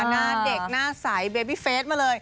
หน้าเด็กหน้าใสเบบี้เฟสมาเลย